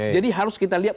jadi harus kita lihat